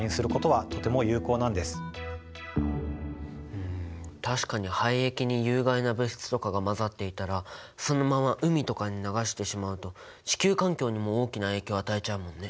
まずは確かに廃液に有害な物質とかが混ざっていたらそのまま海とかに流してしまうと地球環境にも大きな影響を与えちゃうもんね。